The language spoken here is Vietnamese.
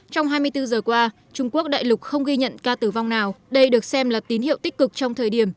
trong hai mươi bốn giờ qua trung quốc đại lục không ghi nhận ca tử vong nào đây được xem là tín hiệu tích cực trong thời điểm